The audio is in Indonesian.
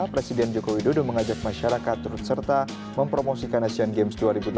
presiden joko widodo mengajak masyarakat turut serta mempromosikan asian games dua ribu delapan belas